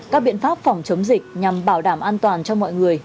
các biện pháp phòng chống dịch nhằm bảo đảm an toàn cho mọi người